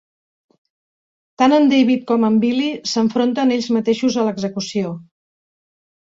Tant en David com en Billy s'enfronten ells mateixos a l'execució.